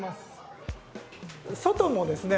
外のですね